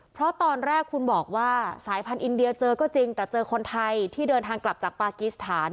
เพราะตอนแรกคุณบอกว่าสายพันธุ์อินเดียเจอก็จริงแต่เจอคนไทยที่เดินทางกลับจากปากีสถาน